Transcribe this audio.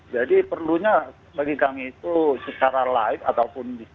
jadi perlunya bagi kami itu secara live ataupun disambungan